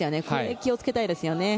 気をつけたいですね。